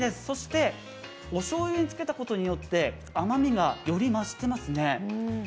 そしておしょうゆにつけたことによって甘みがより増してますね。